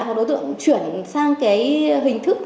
hoặc đối tượng chuyển sang cái hình thức